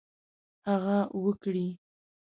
هغه وکړي.